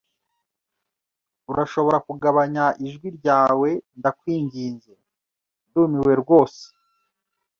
Urashobora kugabanya ijwi ryawe ndakwinginze? Ndumiwe rwose.